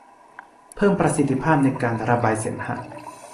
เพิ่มประสิทธิภาพในการระบายเสมหะ